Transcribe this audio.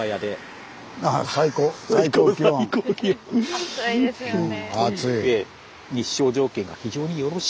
暑いですよね。